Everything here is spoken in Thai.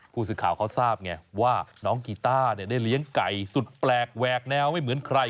ผู้สื่อข่าวเขาทราบไงว่าน้องกีต้าได้เลี้ยงไก่สุดแปลกแหวกแนวไม่เหมือนใคร